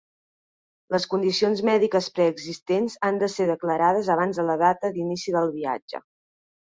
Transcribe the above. Les condicions mèdiques preexistents han de ser declarades abans de la data d'inici del viatge.